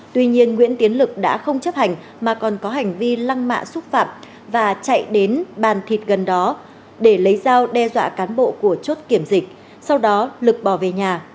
tuy nhiên nguyễn tiến lực đã không chấp hành mà còn có hành vi lăng mạ xúc phạm và chạy đến bàn thịt gần đó để lấy dao đe dọa cán bộ của chốt kiểm dịch sau đó lực bỏ về nhà